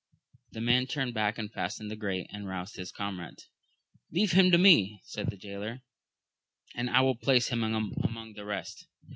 The man turned back and fastened the grate, and roused his comrades. Leave him to me, said the jaylor, and I will place him among the rest.